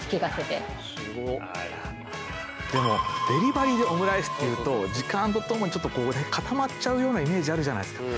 でもデリバリーでオムライスっていうと時間とともに固まっちゃうようなイメージあるじゃないですか。